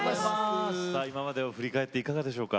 今までを振り返っていかがでしょうか？